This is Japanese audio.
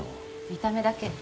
見た目だけ。